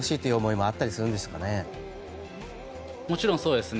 もちろんそうですね。